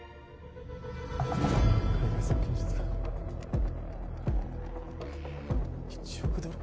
海外送金１億ドル？